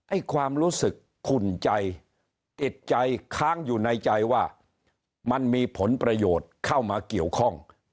ความรู้สึกขุ่นใจติดใจค้างอยู่ในใจว่ามันมีผลประโยชน์เข้ามาเกี่ยวข้อง